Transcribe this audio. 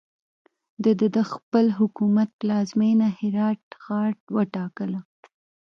ده د خپل حکومت پلازمینه هرات ښار وټاکله.